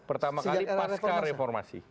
pertama kali pasca reformasi